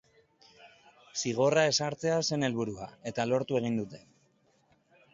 Zigorra ezartzea zen helburua, eta lortu egin dute.